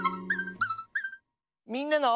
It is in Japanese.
「みんなの」。